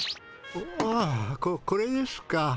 ああこれですか？